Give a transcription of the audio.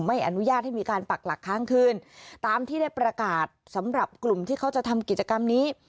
ไม่อนุญาตให้มีการปักหลักค้างคืนตามที่ได้ประกาศสำหรับกลุ่มที่เขาจะทำกิจกรรมนี้